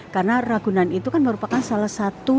karena ragunan itu kan merupakan salah satu